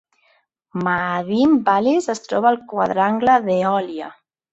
Ma'adim Vallis es troba al quadrangle d'Eòlia.